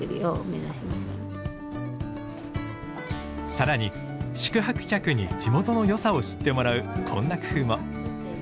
更に宿泊客に地元の良さを知ってもらうこんな工夫も。